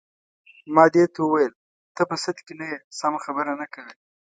ما دې ته وویل: ته په سد کې نه یې، سمه خبره نه کوې.